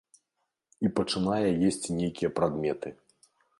І пачынае есці нейкія прадметы.